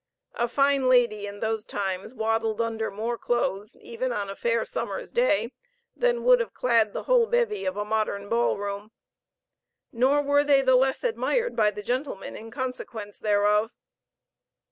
A fine lady, in those times, waddled under more clothes, even on a fair summer's day, than would have clad the whole bevy of a modern ball room. Nor were they the less admired by the gentlemen in consequence thereof.